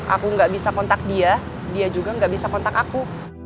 aku nggak bisa kontak dia dia juga nggak bisa kontak aku